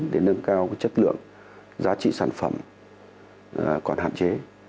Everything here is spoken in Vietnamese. để nâng cao chất lượng giá trị sản phẩm còn hạn chế